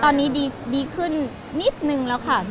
ตอนนี้ดีขึ้นนิดนึงแล้วค่ะ